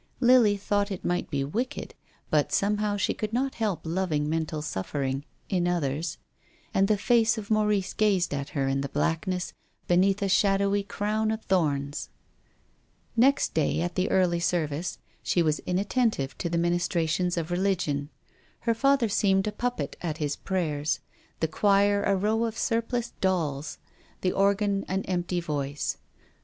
Lily thought it might be wicked, but somehow she could not help loving mental suffering — in others. And the face of Maurice gazed at her in the blackness beneath a shadowy crown of thorns. Next day, at the early service, she was inat tentive to the ministrations of religion. Her father seemed a puppet at its prayers, the choir a row of surpliced dolls, the organ an empty voice.